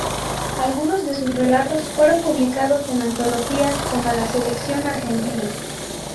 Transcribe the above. Algunos de sus relatos fueron publicados en antologías como "La selección argentina".